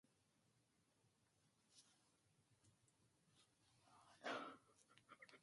لمسی له علم سره مینه لري.